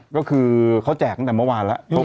ก็คือเขาแจกตั้งแต่เมื่อวานแล้ว